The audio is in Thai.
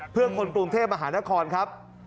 เพื่อคนกรุงเทพมหานครครับ